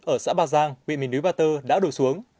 ở xã bà giang huyện mình núi ba tơ đã đổ xuống